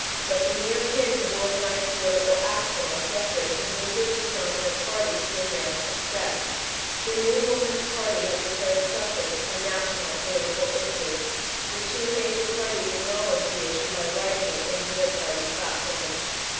But the mere hint of organized political action on suffrage had moved the two dominant parties to advance a step. The new Woman's Party had declared suffrage a national political issue. The two major parties acknowledged the issue by writing it into their party platforms.